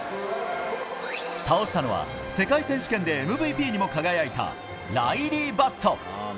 倒したのは世界選手権でＭＶＰにも輝いたライリー・バット。